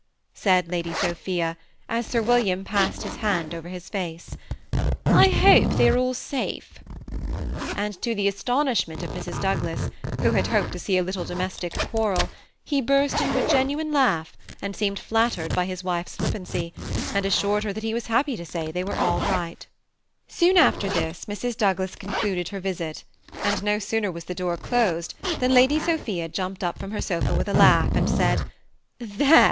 " said Lady Sophia, as Sir William passed his hand over his face. ^' I hope they are all safe ;" and to the astonishment of Mrs. Douglas, who bad hoped to see a little domestic quarrel, he burst into a genuine laugh, and seemed flattered by his wife's flippancy, aud assured her that he was happy to say they were all right Soon after this Mrs. Douglas concluded her visit ; and no sooner was the door closed than Lady Sophia jumped up fromi her sofa, with a laugh, and said, " There